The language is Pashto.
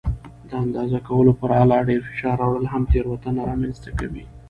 د اندازه کولو پر آله ډېر فشار راوړل هم تېروتنه رامنځته کوي.